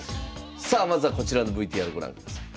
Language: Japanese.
さあまずはこちらのＶＴＲご覧ください。